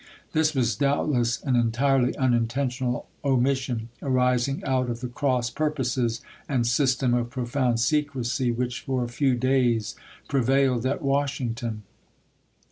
This was doubtless an entirely uninten tional omission, arising out of the cross purposes and system of profound secrecy which for a few days prevailed at Washington.